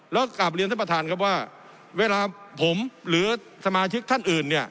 แล้วกลับเรียนท่านประธานครับว่าเวลาผมหรือสมาชิกท่านอื่นเนี่ย